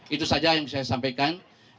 itu saja yang saya sampaikan